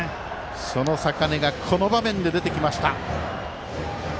その坂根がこの場面でできました。